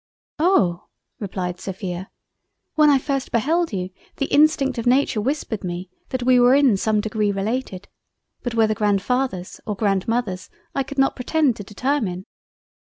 "Oh!" replied Sophia, "when I first beheld you the instinct of Nature whispered me that we were in some degree related—But whether Grandfathers, or Grandmothers, I could not pretend to determine."